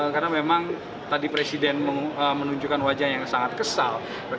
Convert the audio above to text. karena memang tadi presiden menunjukkan wajah yang sangat kesal